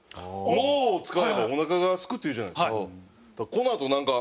脳を使えばおなかがすくって言うじゃないですか。